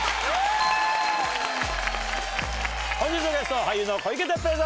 本日のゲスト俳優の小池徹平さんです！